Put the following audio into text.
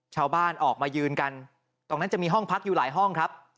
ชาวบ้านออกมายืนกันตรงนั้นจะมีห้องพักอยู่หลายห้องครับ